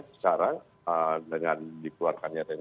sekarang dengan dikeluarkan